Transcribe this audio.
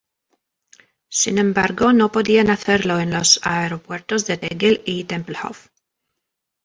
Sin embargo, no podían hacerlo en los aeropuertos de Tegel y Tempelhof.